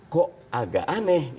kok agak aneh